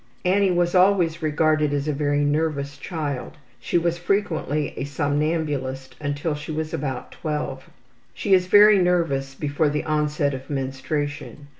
Annie was always regarded as a very nervous child; she was frequently a somnambulist until she was about 12. She is very nervous before the onset of menstruation.